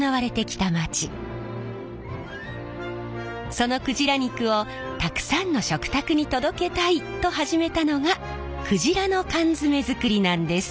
その鯨肉をたくさんの食卓に届けたいと始めたのが鯨の缶詰作りなんです。